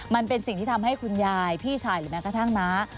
มันเป็นสิ่งที่ทำให้คุณยายพี่ชายหรือแม้กระทั่งน้า